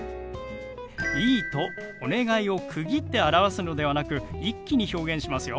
「いい」と「お願い」を区切って表すのではなく一気に表現しますよ。